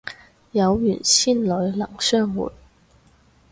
有緣千里能相會